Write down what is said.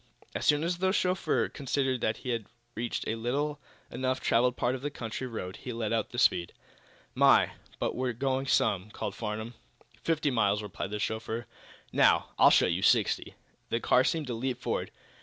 As soon as the chauffeur considered that he had reached a little enough traveled part of the country road he let out the speed. "My, but we're going some," called Farnum. "Fifty miles," replied the chauffeur. "Now, I'll show you sixty." The car seemed to leap forward.